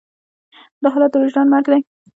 دا حالت د وجدان مرګ دی.